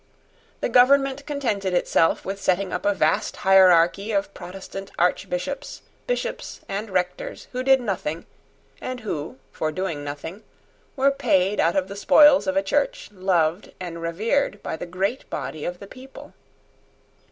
The government contented itself with setting up a vast hierarchy of Protestant archbishops, bishops, and rectors, who did nothing, and who, for doing nothing, were paid out of the spoils of a Church loved and revered by the great body of the people.